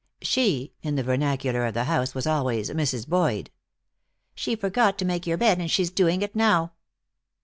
"She" in the vernacular of the house, was always Mrs. Boyd. "She forgot to make your bed, and she's doing it now."